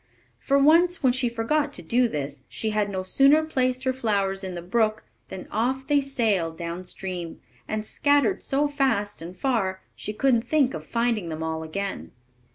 For once, when she forgot to do this, she had no sooner placed her flowers in the brook than off they sailed down stream, and scattered so fast and far she couldn't think of finding them all again.